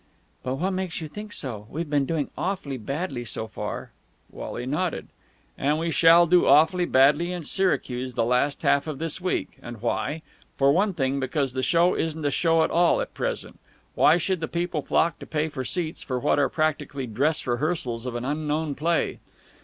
"But what makes you think so? We've been doing awfully badly so far." Wally nodded. "And we shall do awfully badly in Syracuse the last half of this week. And why? For one thing, because the show isn't a show at all at present. Why should people flock to pay for seats for what are practically dress rehearsals of an unknown play?